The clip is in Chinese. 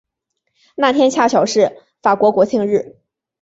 那天恰巧是法国国庆日。